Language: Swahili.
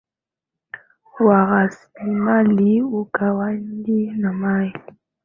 wa raslimali ugawaji ya mali